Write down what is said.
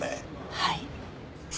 はい。